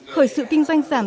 khởi sự kinh doanh giảm